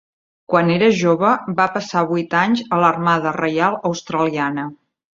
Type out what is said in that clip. Quan era jove, va passar vuit anys a l'Armada Reial Australiana.